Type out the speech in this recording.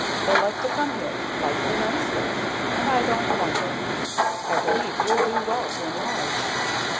They like to come here like it immensely. And I don't wonder. I believe you'll do well to enlarge."